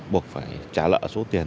buộc phải trả lỡ số tiền